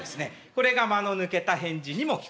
これが間の抜けた返事にも聞こえる。